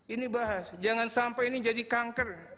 ini bahas jangan sampai ini jadi kanker